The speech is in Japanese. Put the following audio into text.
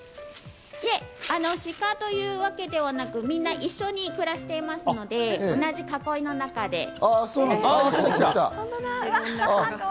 鹿というわけではなく、みんな一緒に暮らしていますので、同じ囲いの中で。